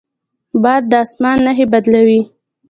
باد د اسمان نښې بدلوي